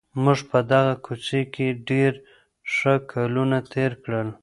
موږ په دغه کوڅې کي ډېر ښه کلونه تېر کړل.